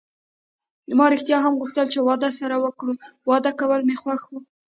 ما ریښتیا هم غوښتل چې واده سره وکړو، واده کول مې خوښ و.